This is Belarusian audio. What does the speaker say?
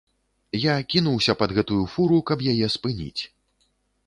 Я кінуўся пад гэтую фуру, каб яе спыніць.